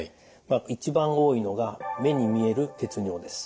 一番多いのが目に見える血尿です。